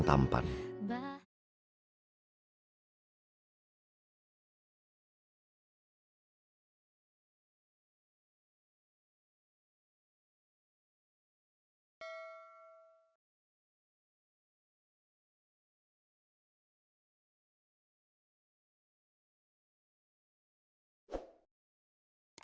sampai jumpa lagi